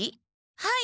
はい。